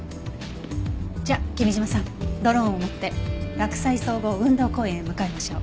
じゃあ君嶋さんドローンを持って洛西総合運動公園へ向かいましょう。